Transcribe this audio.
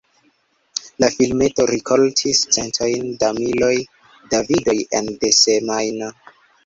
La filmeto rikoltis centojn da miloj da vidoj ene de semajno.